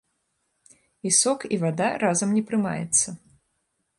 І сок, і вада разам не прымаецца.